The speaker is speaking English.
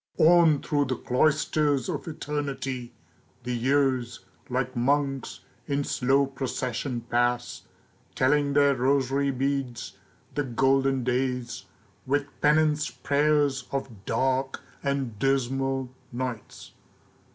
ON through the cloisters of eternity The years, like monks, in slow procession pass, Telling their rosary beads, the golden days, With penance prayers of dark and dismal nights.